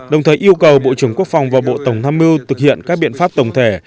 đồng thời yêu cầu bộ trưởng quốc phòng và bộ tổng tham mưu thực hiện các biện pháp tổng thể